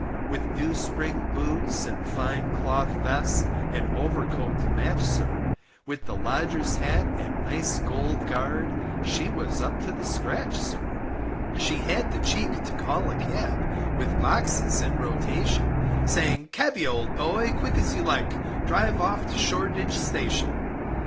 With new spring boots, & fine cloth vest And overcoat to match, sir, With the lodger's hat & nice gold guard, She was up to the scratch, sir, She had the cheek to call a cab, With boxes in rotation, Saying, Cabby, old boy, as quick as you like, Drive off to Shoreditch Station.